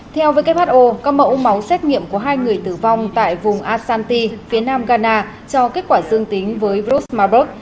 theo who các mẫu máu xét nghiệm của hai người tử vong tại vùng asanti phía nam ghana cho kết quả dương tính với virus mabourg